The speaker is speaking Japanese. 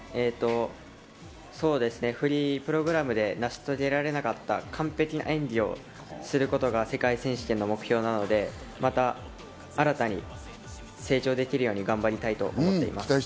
フリープログラムで成し遂げられなかった完璧な演技をすることが世界選手権の目標なので、また新たに成長できるように頑張りたいと思っています。